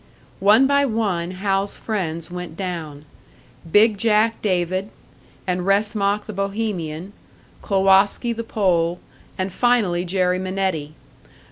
One by one, Hal's friends went down "Big Jack" David, and Wresmak, the Bohemian, Klowoski, the Pole, and finally Jerry Minetti.